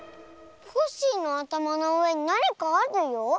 コッシーのあたまのうえになにかあるよ。